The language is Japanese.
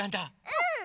うん！